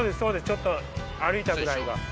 ちょっと歩いたぐらいが。